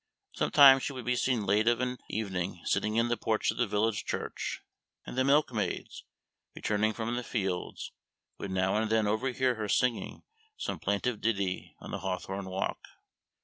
Sometimes she would be seen late of an evening sitting in the porch of the village church, and the milk maids, returning from the fields, would now and then overhear her singing some plaintive ditty in the hawthorn walk.